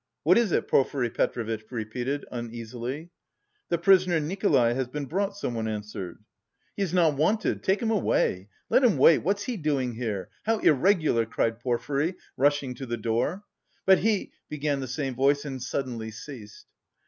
"What is it?" Porfiry Petrovitch repeated, uneasily. "The prisoner Nikolay has been brought," someone answered. "He is not wanted! Take him away! Let him wait! What's he doing here? How irregular!" cried Porfiry, rushing to the door. "But he..." began the same voice, and suddenly ceased.